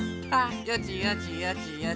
よちよちよちよち。